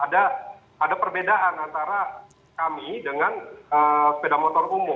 nah ini yang kita tayangkan ada perbedaan antara kami dengan sepeda motor umum